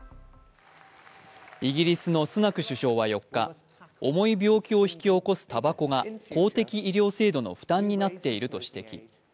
イギリスのスナク首相は４日重い病気を引き起こすたばこが公的医療制度の負担になっていると指摘。